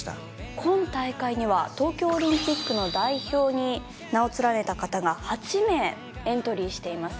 今大会には東京オリンピックの代表に名を連ねた方が８名エントリーしていますが？